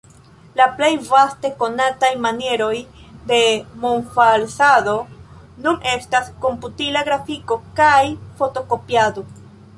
La plej vaste konataj manieroj de monfalsado nun estas komputila grafiko kaj fotokopiado.